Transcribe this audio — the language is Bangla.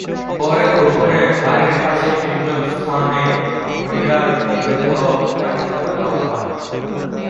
পরে গোপনে বাড়ির পাশের নির্জন স্থানে মনিরার মৃতদেহ মাটিচাপা দেওয়া হয়।